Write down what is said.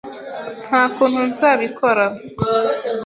Nta kuntu nzabikora.